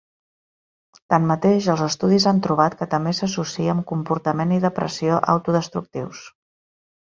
Tanmateix, els estudis han trobat que també s'associa amb comportament i depressió autodestructius.